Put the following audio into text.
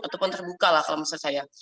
ataupun terbuka lah kalau maksud saya